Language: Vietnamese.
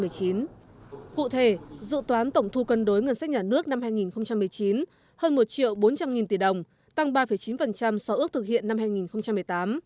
cụ thể dự toán tổng thu cân đối ngân sách nhà nước năm hai nghìn một mươi chín hơn một bốn trăm linh tỷ đồng tăng ba chín so ước thực hiện năm hai nghìn một mươi tám